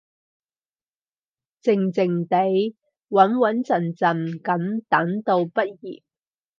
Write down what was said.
靜靜哋，穩穩陣陣噉等到畢業